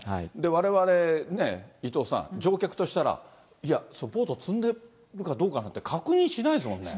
われわれ、伊藤さん、乗客としたら、いや、ボート積んでるかどうかなんで確認しないですものね。